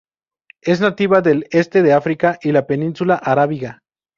Es nativa del este de África y la península arábiga.